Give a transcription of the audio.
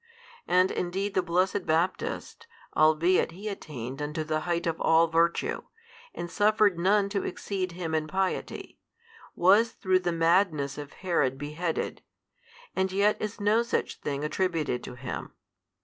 And indeed the blessed Baptist, albeit he attained unto the height of all virtue, and suffered none to exceed him in piety, was through the madness of Herod beheaded, and yet is no such thing attributed to him.